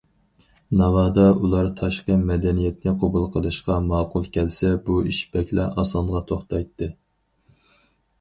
ناۋادا ئۇلار تاشقى مەدەنىيەتنى قوبۇل قىلىشقا ماقۇل كەلسە، بۇ ئىش بەكلا ئاسانغا توختايتتى.